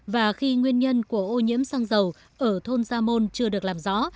và khi nguyên nhân của ô nhiễm xăng dầu ở thôn gia môn chưa được làm rõ